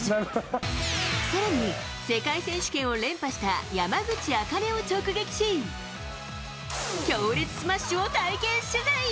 さらに、世界選手権を連覇した山口茜を直撃し、強烈スマッシュを体験取材。